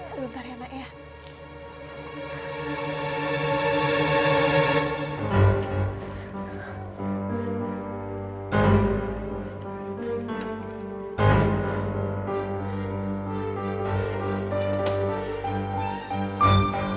sebentar ya makya